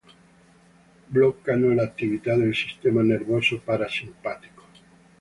Bloccano l'attività del sistema nervoso parasimpatico.